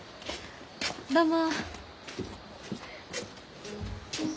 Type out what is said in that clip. どうも。